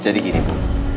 jadi gini bu